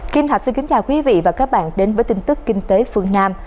kim thạch xin kính chào quý vị và các bạn đến với tin tức kinh tế phương nam